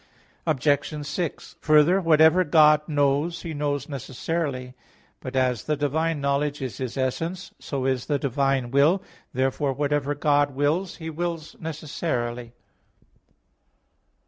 Obj. 6: Further, whatever God knows, He knows necessarily. But as the divine knowledge is His essence, so is the divine will. Therefore whatever God wills, He wills necessarily.